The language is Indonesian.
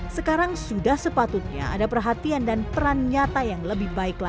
sekarang sudah sepatutnya ada perhatian dan peran nyata yang lebih baik lagi